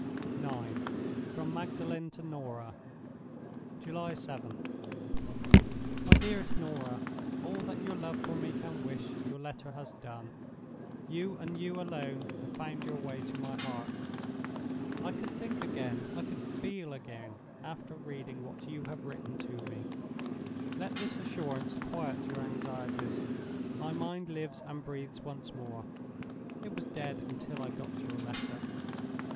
IX. From Magdalen to Norah. "July 7th. "MY DEAREST NORAH, "All that your love for me can wish your letter has done. You, and you alone, have found your way to my heart. I could think again, I could feel again, after reading what you have written to me. Let this assurance quiet your anxieties. My mind lives and breathes once more—it was dead until I got your letter.